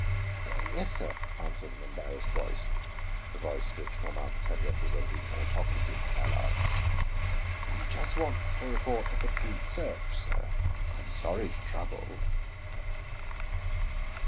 ] "Yes, sir," answered an embarrassed voice, a voice which for months had represented autocracy for Allard. "We just want to report a complete search, sir. I'm sorry to trouble."